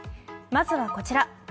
まずは、こちら。